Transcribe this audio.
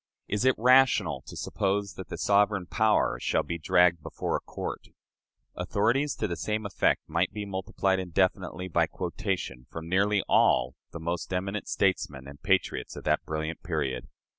Is it rational to suppose that the sovereign power shall be dragged before a court?" Authorities to the same effect might be multiplied indefinitely by quotation from nearly all the most eminent statesmen and patriots of that brilliant period.